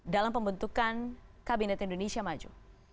dalam pembentukan kabinet indonesia maju